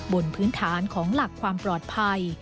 บนพื้นฐานของหลักความปลอดภัย